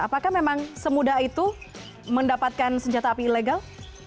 apakah memang semudah itu mendapatkan senjata api ilegal